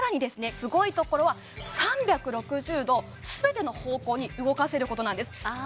すごいところは３６０度全ての方向に動かせることなんですああ